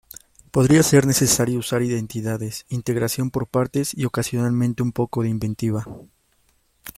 Podría ser necesario usar identidades, integración por partes y, ocasionalmente, un poco de inventiva.